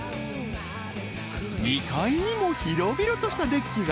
［２階にも広々としたデッキが。